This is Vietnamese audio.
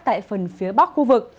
tại phần phía bắc khu vực